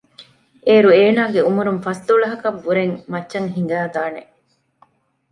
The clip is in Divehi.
އޭރު އޭނާގެ ޢުމުރުން ފަސްދޮޅަހަށް ވުރެން މައްޗަށް ހިނގައި ދާނެ